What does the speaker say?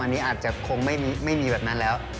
อันนี้อาจจะคงไม่มีแบบนั้นแล้ว